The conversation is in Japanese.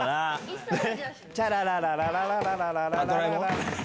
チャラララララララララララ